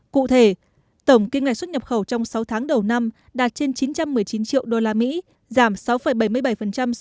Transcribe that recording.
cụ thể tổng kinh ngạch xuất nhập khẩu trong sáu tháng đầu năm đạt trên chín trăm một mươi chín triệu usd giảm sáu bảy mươi bảy so với năm hai nghìn một mươi tám